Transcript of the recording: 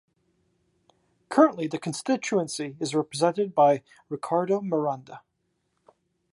Currently, the constituency is represented by Ricardo Miranda.